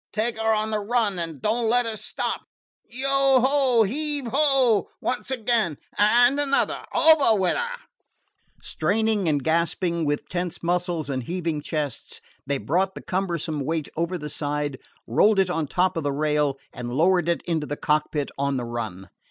"Take her on the run and don't let her stop! Yo, ho! heave, ho! Once again! And another! Over with her!" Straining and gasping, with tense muscles and heaving chests, they brought the cumbersome weight over the side, rolled it on top of the rail, and lowered it into the cockpit on the run.